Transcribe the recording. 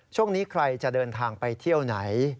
ช่วงนี้ใครจะเดินทางไปเที่ยวไหน